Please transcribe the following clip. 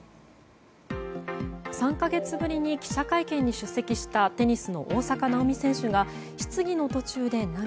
３か月ぶりに記者会見に出席したテニスの大坂なおみ選手が質疑の途中で涙。